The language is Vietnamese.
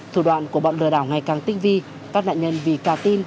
thủ đoạn của bọn lừa đảo ngày càng tinh vi các nạn nhân vì cà tin